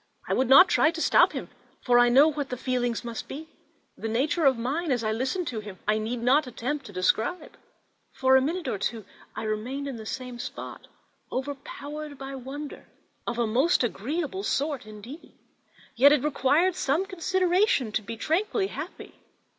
I would not try to stop him, for I knew what his feelings must be. The nature of mine, as I listened to him, I need not attempt to describe; for a minute or two I remained in the same spot, overpowered by wonder of a most agreeable sort indeed; yet it required some consideration to be tranquilly happy.